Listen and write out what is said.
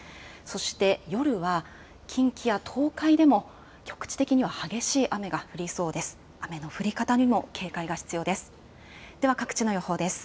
そして、夜は近畿や東海でも局地的には激しい雨が降りそうです。